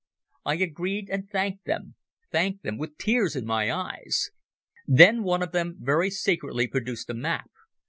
I agreed and thanked them—thanked them with tears in my eyes. Then one of them very secretly produced a map.